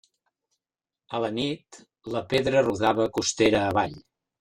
A la nit, la pedra rodava costera avall.